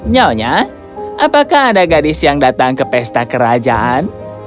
nyonya apakah ada gadis yang datang ke pesta kerajaan